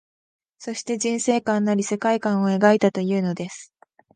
そして、人世観なり世界観を描いたというのです